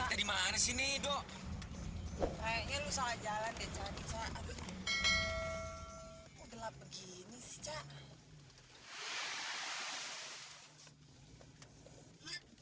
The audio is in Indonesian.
kemana sini do kayaknya lu salah jalan deh jadi saya aduh udah begini sih cak